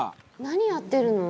「何やってるの？」